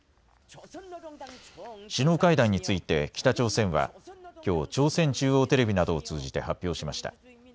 首脳会談について北朝鮮はきょう、朝鮮中央テレビなどを通じて発表しました。